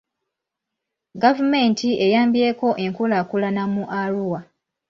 Gavumenti eyambyeko enkulaakulana mu Arua.